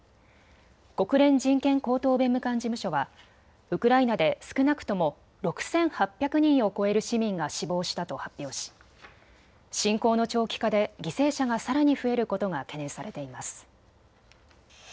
国連人権高等弁務官事務所はウクライナで少なくとも６８００人を超える市民が死亡したと発表し侵攻の長期化で犠牲者がさらに増えることが懸念されています。